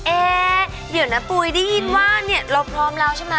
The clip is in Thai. เอ๊เดี๋ยวนะปุ๋ยได้ยินว่าเนี่ยเราพร้อมแล้วใช่ไหม